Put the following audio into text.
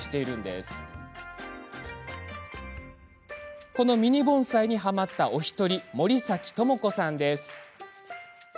そのミニ盆栽に、はまった１人森崎智子さんです。